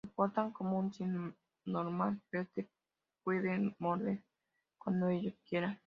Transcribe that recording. Se portan como un Sim normal pero te pueden morder cuando ellos quieran.